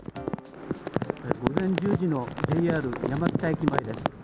午前１０時のＪＲ山北駅前です。